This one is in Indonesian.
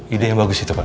ide yang bagus itu pak